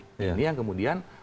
ini yang kemudian menurut saya